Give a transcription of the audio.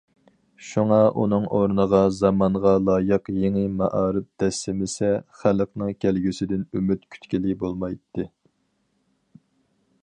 شۇڭا ئۇنىڭ ئورنىغا زامانغا لايىق يېڭى مائارىپ دەسسىمىسە، خەلقنىڭ كەلگۈسىدىن ئۈمىد كۈتكىلى بولمايتتى.